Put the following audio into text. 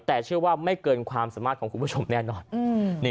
แต่เชื่อว่าไม่เกินความสามารถของคุณผู้ชมแน่นอน